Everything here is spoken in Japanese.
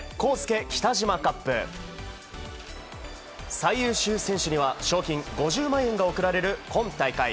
最優秀選手には賞金５０万円が贈られる今大会。